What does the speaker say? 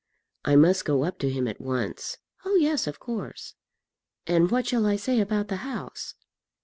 "I must go up to him at once." "Oh, yes, of course." "And what shall I say about the house?"